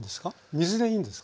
水でいいんですか？